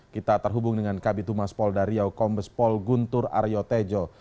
kita terhubung dengan kabitumas pol dariau kombes pol guntur aryo tejo